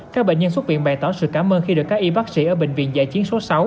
các bệnh nhân xuất viện bày tỏ sự cảm ơn khi được các y bác sĩ ở bệnh viện giải chiến số sáu